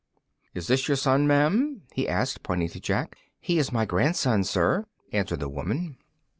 "Is this your son, ma'am?" he asked, pointing to Jack. "He is my grandson, sir," answered the woman.